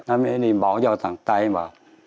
nó mới đi báo cho thằng tây mà